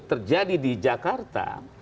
terjadi di jakarta